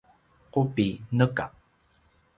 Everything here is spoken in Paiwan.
qubi: neka